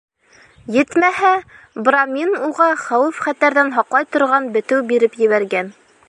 Етмәһә, брамин уға хәүеф-хәтәрҙән һаҡлай торған бетеү биреп ебәргән.